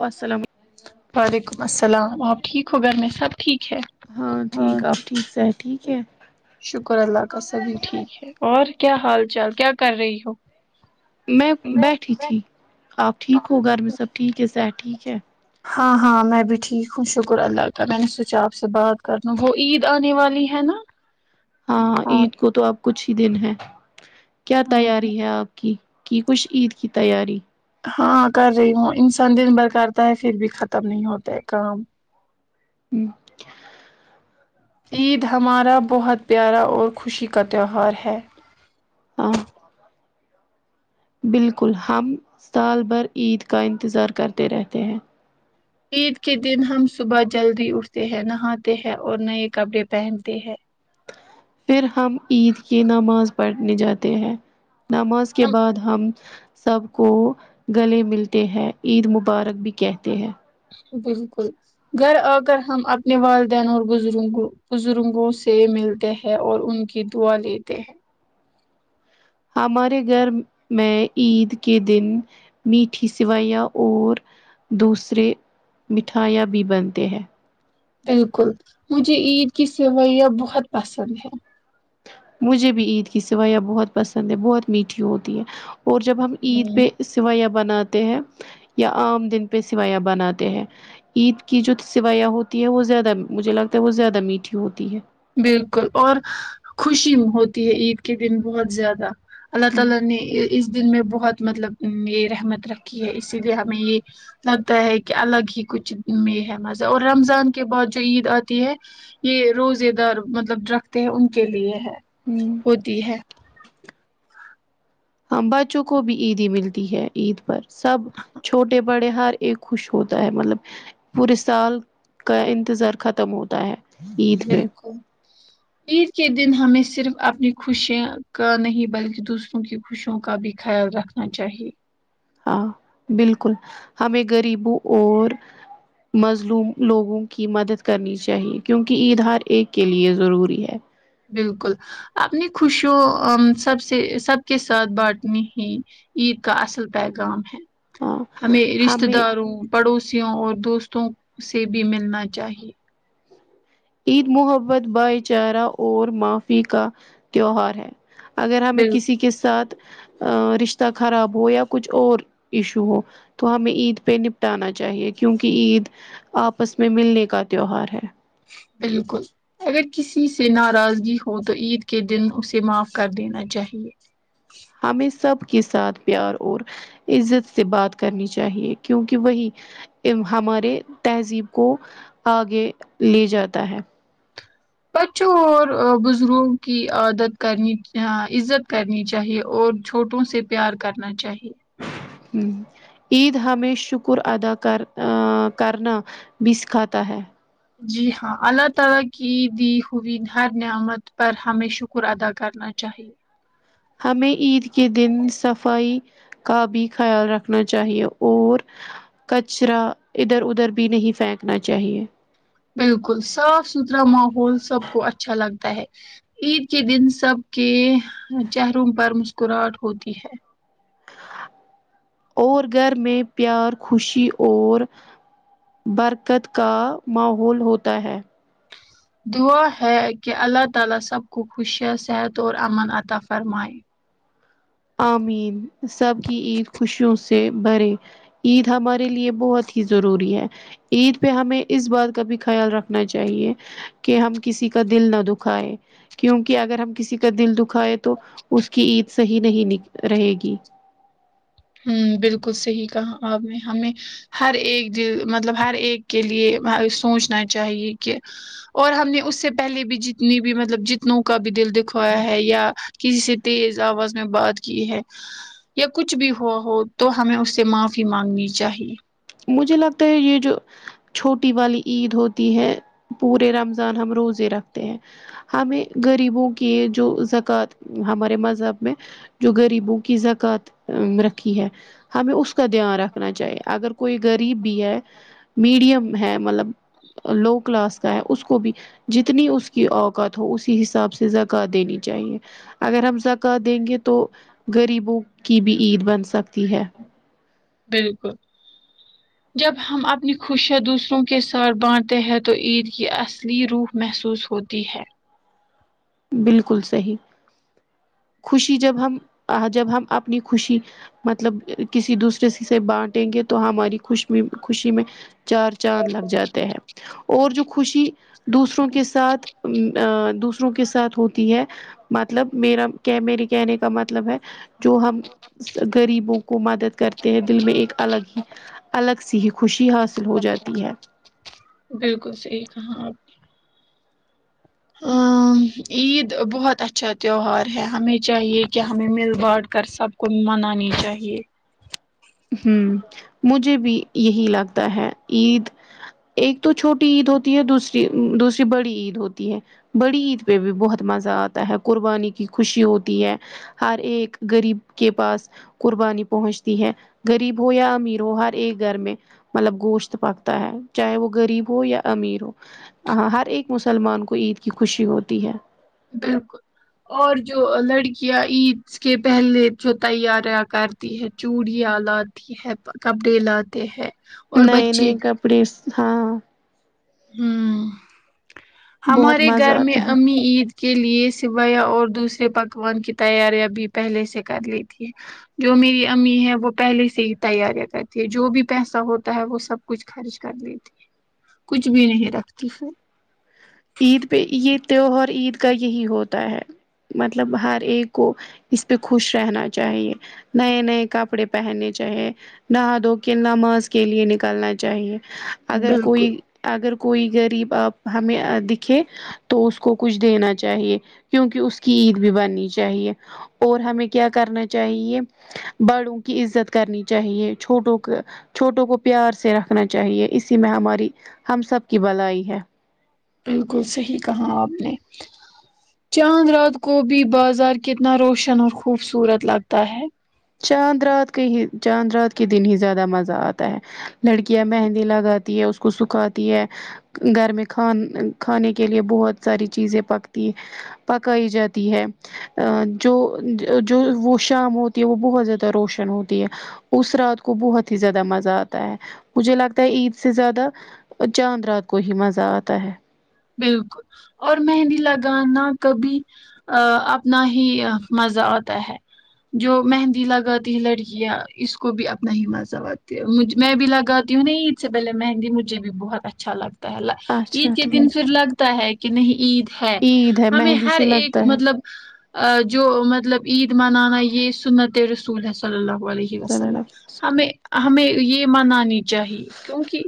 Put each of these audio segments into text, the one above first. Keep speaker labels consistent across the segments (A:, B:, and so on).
A: اسلام
B: وعلیکم السلام آپ ٹھیک ہو گھر میں سب ٹھیک ہے
A: ہاں ٹھیک آپ ٹھیک سے ہیں ٹھیک ہے
B: شکر اللہ کا سبھی ٹھیک ہے اور کیا حال چال کیا کر رہی ہو
A: میں بیٹھی تھی آپ ٹھیک ہو گھر میں سب ٹھیک ہے سیر ٹھیک ہے
B: ہاں ہاں میں بھی ٹھیک ہوں شکر اللہ تعالی میں نے سوچا آپ سے بات کر لوں وہ عید آنے والی ہے نا
A: ہاں عید کو تو آپ کچھ ہی دن ہیں کیا تیاری ہے آپ کی کی کچھ عید کی تیاری
B: ہاں کر رہی ہوں انسان دن بھرکرتا ہے پھر بھی ختم نہیں ہوتا ہے کام عید ہمارا بہت پیارا اور خوشی کا تہوار ہے
A: ہاں بالکل ہم سال بھر عید کا انتظار کرتے رہتے ہیں
B: عید کے دن ہم صبح جلدی اٹھتے ہیں نہاتے ہیں اور نئے کپڑے پہنتے ہیں
A: پھر ہم عید کی نماز پڑھنے جاتے ہیں نماز کے بعد ہم سب کو گلے ملتے ہیں عید مبارک بھی کہتے ہیں
B: بالکل گھر آ کر ہم اپنے والدین اور بزرگ بزرگوں سے ملتے ہیں اور ان کی کہ دعا لیتے ہے
A: ہمارے گھر میں عید کے دن میٹھی سویاں اور دوسرے مٹھائیاں بھی بنتے ہیں
B: بالکل مجھے عید کی سوئیاں بہت پسند ہیں
A: مجھے بھی عید کی سویاں بہت پسند ہیں بہت میٹھی ہوتی ہیں اور جب ہم عید
B: ہوں،
A: پہ سیویاں بناتے ہیں یا عام دن پہ سیویاں بناتے ہیں عید کی جو سویاں ہوتی ہے وہ زیادہ مجھے لگتا ہے وہ زیادہ میٹھی ہوتی ہے
B: بالکل اور خوشی ہوتی ہے عید کے دن بہت زیادہ اللہ تعالی نے اس دن میں بہت مطلب یہ رحمت رکھی ہے اسی لیے ہمیں یہ لگتا ہے کہ الگ ہی کچھ میں ہے مزہ اور رمضان کے بعد جو عید آتی ہے یہ روزے دار مطلب رکھتے ہیں ان کے لیے ہے
A: ہوں
B: ہوتی ہے
A: ہاں بچوں کو بھی عیدی ملتی ہے عید پر سب چھوٹے بڑے ہر ایک خوش ہوتا ہے مطلب پورے سال کا انتظار ختم ہوتا ہے عید پہ
B: بالکل عید کے دن ہمیں صرف اپنی خوشیاں کا نہیں بلکہ دوسروں کی خوشیوں کا بھی خیال رکھنا چاہیے
A: ہاں بالکل ہمیں غریبوں اور مظلوم لوگوں کی مدد کرنی چاہیے کیونکہ عید ہر ایک کے لیے ضروری ہے
B: بالکل اپنی خوشیوں سب سے سب کے ساتھ بانٹنی ہیں عید کا اصل پیغام ہے
A: ہاں
B: ہمیں رشتتے داروں پڑوسیوں اور دوستوں سے بھی ملنا چاہیے
A: عید محبت بھائی چارہ اور معافی کا تیوہار ہے اگر ہمیں
B: بال
A: کسی کے ساتھ ا رشتہ خراب ہو یا کچھ اور ایشو ہو تو ہمیں عید پہ نپٹانا چاہیے کیونکہ عید آپس میں ملنے کا تیوہار ہے
B: بالکل اگر کسی سے ناراضگی ہو تو عید کے دن اسے معاف کر دینا چاہیے
A: ہمیں سب کے ساتھ پیار اور عزت سے بات کرنی چاہیے کیونکہ وہی ہمارے تہذیب کو آگے لے جاتا ہے
B: بچوں اور بزرگوں کی عادت کرنی عزت کرنی چاہیے اور چھوٹوں سے پیار کرنا چاہیے
A: ہوں عید ہمیں شکر ادا کر کرنا بھی سکھاتا ہے
B: جی ہاں اللہ تعالی کی دی ہوئی ہر نعمت پر ہمیں شکر شکر ادا کرنا چاہیے
A: ہمیں عید کے دن صفائی کا بھی خیال رکھنا چاہیے اور کچرا ادھر ادھر بھی نہیں پھینکنا چاہیے
B: بالکل صاف ستھرا ماحول سب کو اچھا لگتا ہے عید کے دن سب کے چہروں پر مسکراہٹ ہوتی ہے
A: اور گھر میں پیار خوشی اور برکت کا ماحول ہوتا ہے
B: دعا ہے کہ اللہ تعا لی سب کو خوشیاں صحت اور امن عطا فرمائے
A: آمین سب کی عید خوشیوں سے برے عید ہمارے لیے بہت ہی ضروری ہے عید پہ ہمیں اس بات کا بھی خیال رکھنا چاہیے کہ ہم کسی کا دل نہ دکھائے کیونکہ اگر ہم کسی کا دل دکھائے تو اس کی عید صحیح نہیں رہے گی
B: ہوں بالکل صحیح کہا آپ نے ہمیں ہر ایک د مطلب ہر ایک کے لیے سوچنا چاہیے کہ اور ہم نے اس سے پہلے بھی جتنی بھی مطلب جتنوں کا بھی دل دکھوایا ہے یا کسی سے تیز آواز میں بات کی ہے یا کچھ بھی ہو ہو تو ہمیں اس سے معافی مانگنی چاہیے
A: مجھے لگتا ہے یہ جو چھوٹی والی عید ہوتی ہے پورے رمضان ہم روز رکھتے ہیں ہمیں غریبوں کی جو زکوۃ ہمارے مذہب میں جو غریبوں کی زکوۃ رکھی ہے ہمیں اس کا دھیان رکھنا چاہیے اگر کوئی غریب بھی ہے میڈیم ہے مطلب لو کلاس کا ہے اس کو بھی جتنی اس کی اوقات ہو اسی حساب سے زکوۃ دینی چاہیے اگر ہم زکوۃ دیں گے تو غریبوں کی بھی عید بن سکتی ہے
B: بالکل جب ہم اپنی خوشیاں دوسروں کے ساتھ بانٹتے ہیں تو عید کی اصلی روح محسوس ہوتی ہے
A: بالکل صحیح خوشی جب ہم جب ہم اپنی خوشی مطلب کسی دوسرے سے سے بانٹیں گے تو ہماری خوش خوشی میں چار چاند لگ جاتے ہیں اور جو خوشی دوسروں کے ساتھ دوسروں کے ساتھ ہوتی ہے مطلب میر ے کہنے کا مطلب ہے جو ہم غریبوں کو مدد کرتے ہیں دل میں ایک الگ ہی الگ سی ہی خوشی حاصل ہو جاتی ہے
B: بالکل سہی ہی کہا آپ ہ عید بہت اچھا تیوہار ہے ہمیں چاہیے کہ ہمیں مل بانٹ کر سب کو منانی چاہیے
A: ہوں مجھے بھی یہ ہی لگتا ہے عید ایک تو چھوٹی عید ہوتی ہے دوسری دوسری بڑی عید ہوتی ہے بڑی عید پہ بھی بہت مزہ آتا ہے قربانی کی خوشی ہوتی ہے ہر ایک غریب کے پاس قربانی پہنچتی ہے غریب ہو یا امیر ہو ہر ایک گھر میں مطلب گوشت پکتا ہے چاہے وہ غریب ہو یا امیر ہو ہاں ہر ایک مسلمان کو عید کی خوشی ہوتی ہے
B: بالکل اور جو لڑکیاں عید اس کے پہلے جو تیاریاں کرتی ہے چوڑیاں لاتی ہے کپڑے لاتے ہیں اور
A: نئی نئی
B: بچے بھی
A: کپڑے ہاں
B: ہوں
A: بہت
B: ہمارے
A: مزہ
B: گھر میں
A: آتا ہے
B: امی عید کے لیے سویاں اور دوسرے پکوان کی تیاریاں بھی پہلے سے کر لی ہے جو میری امی ہے وہ پہلے سے ہی تیاریاں کرتی ہے جو بھی پیسہ ہوتا ہے وہ سب کچھ خارج کر لی تھی کچھ بھی نہیں رکھتی پھر
A: عید پہ یہ تیوہار عید کا یہ ہی ہوتا ہے مطلب ہر ایک کو اس پہ خوش رہنا چاہیے نئے نئے کپڑے پہننے چاہیں نہا دھو کے نماز کے لیے نکالنا چاہیے اگر
B: بالکل
A: کوئی اگر کوئی غریب آپ ہمیں دکھے تو اس کو کچھ دینا چاہیے کیونکہ اس کی عید بھی بننی چاہیے اور ہمیں کیا کرنا چاہیے بڑوں کی عزت کرنی چاہیے چھوٹوں کا چھوٹوں کو پیار سے رکھنا چاہیے اسی میں ہماری ہم سب کی بلائی ہے
B: بالکل صحیح کہا آپ نے چاند رات کو بھی بازار کتنا روشن اور خوبصورت لگتا ہے
A: چاند رات کے ہی چاند رات کے دن ہی زیادہ مزہ آتا ہے لڑکیاں مہندی لگاتی ہے اس کو سکھاتی ہے گھر میں کھان کھانے کے لیے بہت ساری چیزیں پکتی ہیں پکائی جاتی ہے جو جو وہ شام ہوتی وہ بہت زیادہ روشن ہوتی ہے اس رات کو بہت ہی زیادہ مزہ آتا ہے مجھے لگتا ہے عید سے زیادہ وہ چاند رات کو ہی مزہ آتا ہے
B: بالکل اور مہندی لگانا کبھی آ اپنا ہی مزہ آتا ہے جو مہندی لگاتی ہے لڑکیاں اس کو بھی اپنا ہی مزہ آتی ہے مجھ میں بھی لگا یوں نہیں عید سے پہلے مہندی مجھے بھی بہت اچھا لگتا ہے
A: اچھا
B: عید کے
A: ٹھیک
B: دن پھر لگتا ہے کہ نہیں عید ہے
A: عید ہے
B: ہمیں
A: مہندی
B: ہر
A: سے
B: ایک
A: لگتا ہے
B: مطلب آ جو مطلب عید منانا یہ سنت رسول ہے صلی اللہ علیہ علیہ وسلم ہمیں ہمیں یہ منانی چاہیے کیونکہ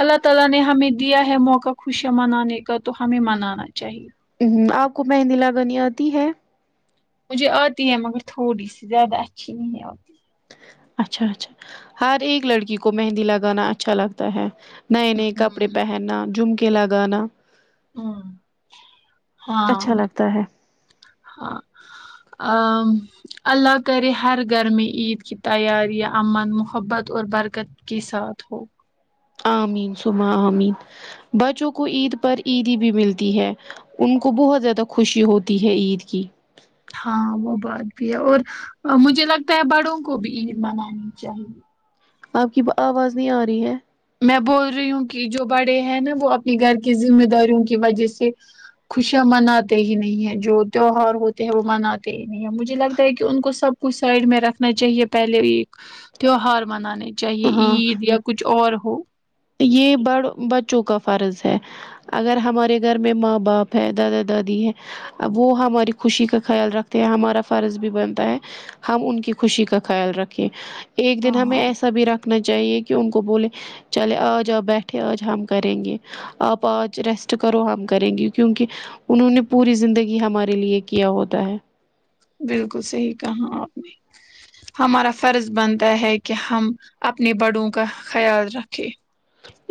B: اللہ تعالی نے ہمیں دیا ہے موقع خوشیاں منانے کا تو ہمیں منانا چاہیے
A: آپ کو مہندی لگنی آتی ہے
B: مجھے آتی ہے مگر تھوڑی سی زیادہ اچھی نہیں آتی
A: اچھا اچھا ہر ایک لڑکی کو مہندی لگانا اچھا لگتا ہے نئے نئے کپڑے
B: ہوں
A: پہننا جھمکے لگانا
B: ہاں ہاں
A: اچھا لگتا ہے
B: ہاں آ اللہ کرے ہر گھر میں عید کی تیاریاں امن محبت اور برکت کے ساتھ ہو
A: آمین ثم آمین بچوں کو عید پر عیدی بھی ملتی ہے ان کو بہت زیادہ خوشی ہوتی ہے عید کی
B: ہاں وہ بات بھی ہے اور مجھے لگتا ہے بڑوں کو بھی عید منانی چاہیے
A: آپ کی آواز نہیں آ رہی ہے
B: میں بول رہی ہوں کہ جو بڑے ہیں نا وہ اپنے گھر کی ذمہ داریوں کی وجہ سے خوشیاں مناتے ہی نہیں ہیں جو تیوہار ہوتے ہیں وہ مناتے ہی نہیں ہے مجھے لگتا ہے کہ ان کو سب کو سائڈ میں رکھنا چاہیے پہلے ایک تیوہار منانے چاہے
A: ہاں
B: عید یا کچھ اور ہو
A: یہ بڑ بچوں کا فرض ہے اگر ہمارے گھر میں ماں باپ ہے دادا دادی ہیں وہ ہماری خوشی کا خیال رکھتے ہیں ہمارا فرض بھی بنتا ہے ہم ان کی خوشی کا خیال رکھیں ایک دن ہمیں
B: ہاں
A: ایسا بھی رکھنا چاہیے کہ ان کو بولے چلے آج آپ بیٹھے آج ہم کریں گے آپ آج ریسٹ کرو ہم کریں گے کیو کی انہوں نے پوری زندگی ہمارے لیے کیا ہوتا ہے
B: بالکل صحیح کہا آپ نے ہمارا فرض بنتا ہے کہ ہم اپنے بڑوں کا خیال رکھے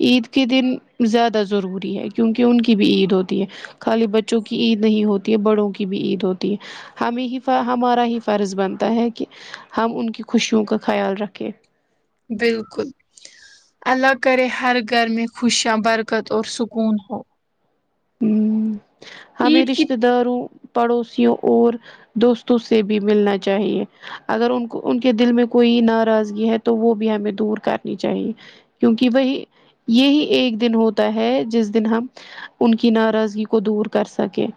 A: عید کے دن زیادہ ضروری ہے کیونکہ ان کی بھی عید ہوتی ہے خالی بچوں کی عید نہیں ہوتی ہے بڑوں کی بھی عید ہوتی ہے ہمیں ہی ہمارا ہی فرض بنتا ہے کہ ہم ان کی خوشیوں کا خیال رکھیں
B: بالکل اللہ کرے ہر گھر میں خوشیا برکت اور سکون ہو
A: ہمیں
B: عید کی
A: رشتے داروں پڑوسیوں اور دوستوں سے بھی ملنا چاہیے اگر ان کو ان کے دل میں کوئی ناراضگی ہے تو وہ بھی ہمیں دور کرنی چاہیے کیونکہ وہی یہی ایک دن ہوتا ہے جس دن ہم ان کی ناراضگی کو دور کر سکے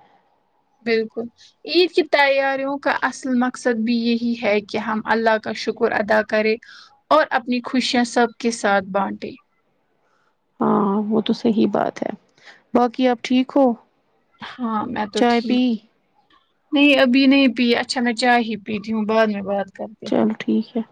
B: بالکل عید کی تیاریوں کا اصل مقصد بھی یہی ہے کہ ہم اللہ کا شکر ادا کرے اور اپنی خوشیاں سب کے ساتھ بانٹے
A: ہاں وہ تو صحیح بات ہے باقی آپ ٹھیک ہو
B: ہاں میں تو
A: چائے پی
B: ٹھیک ہو نہیں ابھی نہیں پی اچھا چائے ہی پیتی ہوں بعد میں بات کرتے
A: چلو ٹھیک ہے